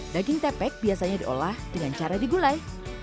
daging tepek biasanya diolah dengan cara digulai